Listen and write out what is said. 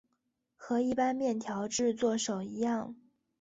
和一般面条制作手一样。